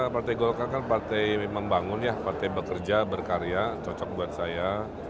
partai golkar kan partai membangun ya partai bekerja berkarya cocok buat saya